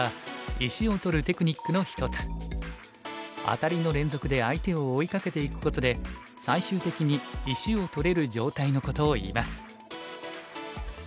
アタリの連続で相手を追いかけていくことで最終的に石を取れる状態のことをいいます。